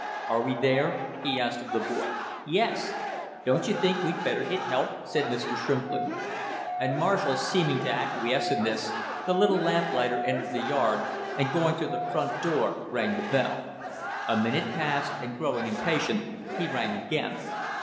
"Are we there?" he asked of the boy. "Yes " "Don't you think we'd better get help?" said Shrimplin. And Marshall seeming to acquiesce in this, the little lamplighter entered the yard and going to the front door rang the bell. A minute passed, and growing impatient he rang again.